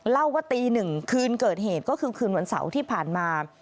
เล่าว่าตีหนึ่งคืนเกิดเหตุก็คือคืนวันเสาร์ที่ผ่านมา